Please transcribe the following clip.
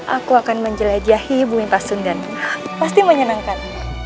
aku akan menjelajahi bumi pasundan pasti menyenangkan